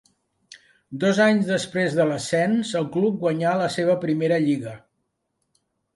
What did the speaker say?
Dos anys després de l'ascens, el club guanyà la seva primera lliga.